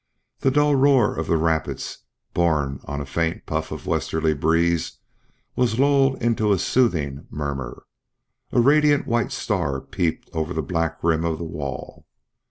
The dull roar of the rapids borne on a faint puff of westerly breeze was lulled into a soothing murmur. A radiant white star peeped over the black rim of the wall.